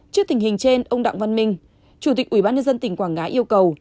trước tình hình trên ông đặng văn minh chủ tịch ủy ban nhân dân tỉnh quảng ngãi yêu cầu